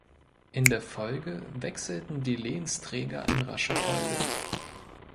In der Folge wechselten die Lehensträger in rascher Folge.